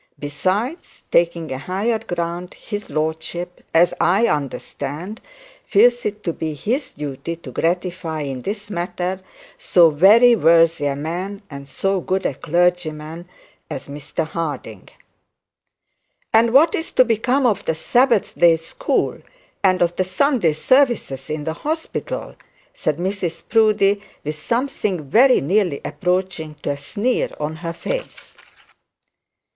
Besides, taking a higher ground, his lordship, as I understood, feels it to be his duty to gratify, in this matter, so very worthy a man and so good a clergyman as Mr Harding.' 'And what is to become of the Sabbath day school, and of the Sunday services in the hospital?' said Mrs Proudie, with something very nearly approaching to a sneer on her face.